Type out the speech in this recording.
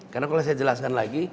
karena kalau saya jelaskan lagi